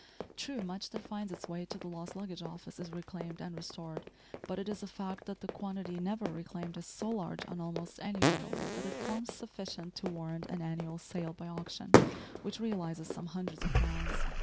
True, much that finds its way to the lost luggage office is reclaimed and restored, but it is a fact that the quantity never reclaimed is so large on almost any railway that it forms sufficient to warrant an annual sale by auction which realises some hundreds of pounds.